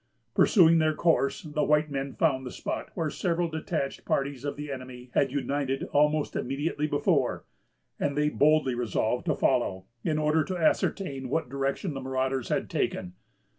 Pursuing their course, the white men found the spot where several detached parties of the enemy had united almost immediately before; and they boldly resolved to follow, in order to ascertain what direction the marauders had taken.